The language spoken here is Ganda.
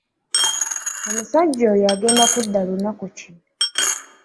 Omusajja oyo agenda kudda lunaku ki?